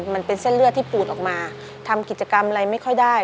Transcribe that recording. มันเป็นเส้นเลือดที่ปูดออกมาทำกิจกรรมอะไรไม่ค่อยได้